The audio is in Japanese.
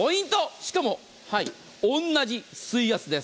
しかも同じ水圧です。